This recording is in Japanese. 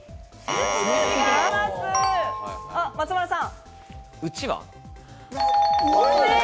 松丸さん。